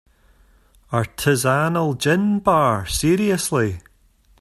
Artisanal gin bar, seriously?!